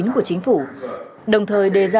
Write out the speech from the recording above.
của chính phủ đồng thời đề ra